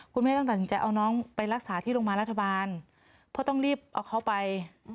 คุณแม่ต้องตัดสินใจเอาน้องไปรักษาที่โรงพยาบาลรัฐบาลเพราะต้องรีบเอาเขาไป